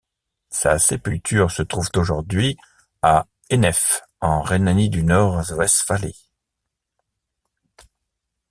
Sa sépulture se trouve aujourd'hui à Hennef, en Rhénanie-du-Nord-Westphalie.